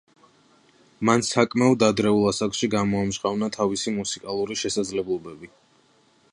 მან საკმაოდ ადრეულ ასაკში გამოამჟღავნა თავისი მუსიკალური შესაძლებლობები.